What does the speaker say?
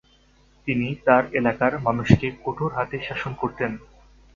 তিনি তার এলাকার মানুষকে কঠোর হাতে শাসন করতেন।